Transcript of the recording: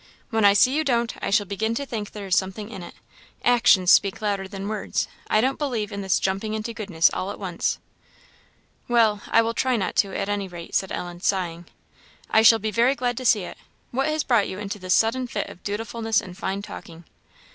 "When I see you don't, I shall begin to think there is something in it. Actions speak louder than words. I don't believe in this jumping into goodness all at once." "Well, I will try not to, at any rate," said Ellen, sighing. "I shall be very glad to see it. What has brought you into this sudden fit of dutifulness and fine talking?"